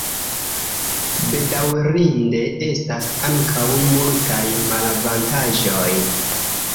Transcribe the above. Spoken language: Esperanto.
Bedaŭrinde estas ankaŭ multaj malavantaĝoj.